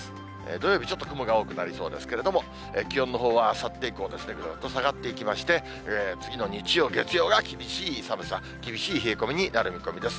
土曜日、ちょっと雲が多くなりそうですけれども、気温のほうはあさって以降、ぐーっと下がっていきまして、次の日曜、月曜が、厳しい寒さ、厳しい冷え込みになる見込みです。